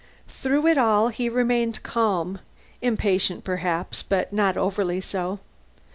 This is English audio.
Through it all, he remained calm; impatient, perhaps, but not overly so.